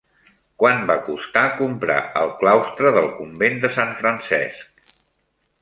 Quant va costar comprar el claustre del Convent de Sant Francesc?